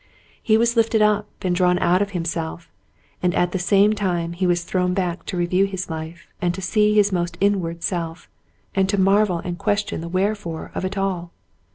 He was uplifted and drawn out of himself, and at the same time he was thrown back to review his life and to see his most inward self, and to marvel and question the wherefore of it all.